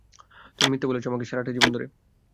তুমি মিথ্যা বলেছ আমাকে, সারাটা জীবন ধরে।